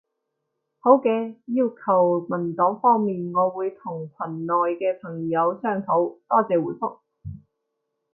好嘅，要求文檔方面，我會同群內嘅朋友商討。多謝回覆